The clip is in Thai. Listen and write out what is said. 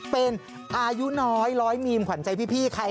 เป็นอายุน้อยร้อยมีมขวัญใจพี่ใคร